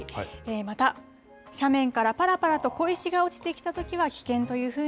また、斜面からぱらぱらと小石が落ちてきたときは危険というふう